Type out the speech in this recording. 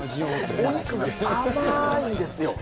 お肉が甘いんですよ。